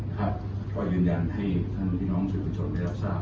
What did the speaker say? ก็ยืนยันให้ท่านพี่น้องสื่อประชนได้รับทราบ